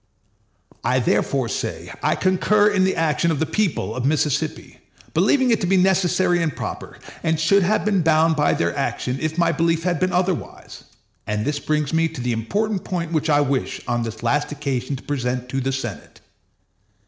I therefore say I concur in the action of the people of Mississippi, believing it to be necessary and proper, and should have been bound by their action if my belief had been otherwise; and this brings me to the important point which I wish on this last occasion to present to the Senate.